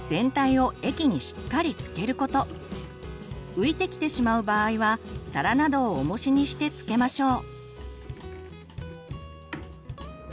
浮いてきてしまう場合は皿などをおもしにしてつけましょう。